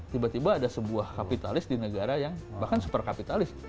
tiba tiba ada sebuah kapitalis di negara yang bahkan super kapitalis